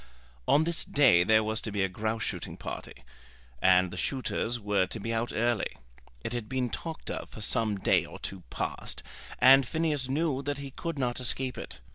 On this day there was to be a grouse shooting party, and the shooters were to be out early. It had been talked of for some day or two past, and Phineas knew that he could not escape it.